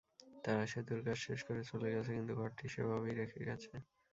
তারা সেতুর কাজ শেষ করে চলে গেছে, কিন্তু ঘরটি সেভাবেই রেখে গেছে।